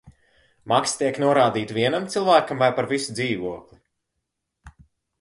Maksa tiek norādīta vienam cilvēkam vai par visu dzīvokli?